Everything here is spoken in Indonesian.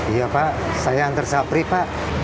iya pak saya antar sahab pri pak